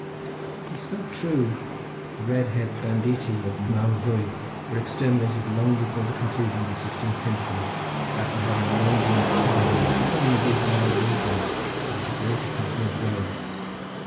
He spoke true. The red haired banditti of Mawddwy were exterminated long before the conclusion of the sixteenth century, after having long been the terror not only of these wild regions but of the greater part of North Wales.